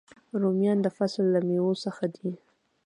رومیان د فصل له میوو څخه دي